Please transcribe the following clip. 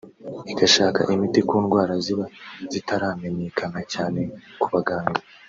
igashaka imiti ku ndwara ziba zitaramenyekana cyane ku baganga